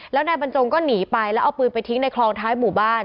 แล้วนายบรรจงก็หนีไปแล้วเอาปืนไปทิ้งในคลองท้ายหมู่บ้าน